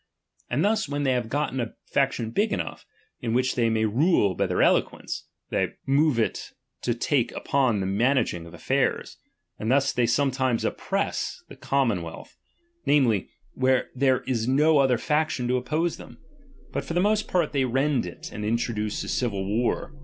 And thus when they have gotten a faction big enough, in which they may rule by their eloquence, they 164 DOMINION. CHAP. XII. move it to take upon it the managing of affairs. How tiM (iA\ ^^^^'^^ ^^^y sometimes oppress the common urtiiecotnuioa wedth, namely^ where there is no other faction to ^'oppose them ; but for the most part they rend it, and introduce a civil war.